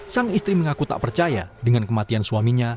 sang istri mengaku tak percaya dengan kematian suaminya